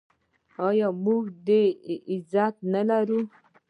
آیا موږ د عزت حق نلرو؟